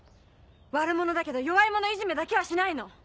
悪者だけど弱い者いじめだけはしないの。